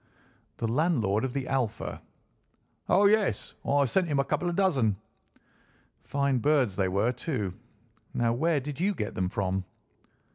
"The landlord of the Alpha." "Oh, yes; I sent him a couple of dozen." "Fine birds they were, too. Now where did you get them from?"